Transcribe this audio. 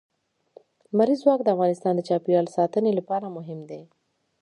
لمریز ځواک د افغانستان د چاپیریال ساتنې لپاره مهم دي.